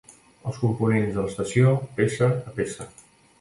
Els components de l’estació, peça a peça.